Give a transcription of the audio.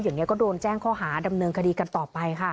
เดี๋ยวนี้ก็โดนแจ้งข้อหาดำเนินคดีกันต่อไปค่ะ